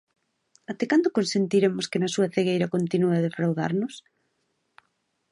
¿Até cando consentiremos que na súa cegueira continúe a defraudarnos?